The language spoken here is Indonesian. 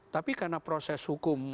tapi karena proses hukum